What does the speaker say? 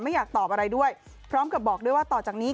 อยากตอบอะไรด้วยพร้อมกับบอกด้วยว่าต่อจากนี้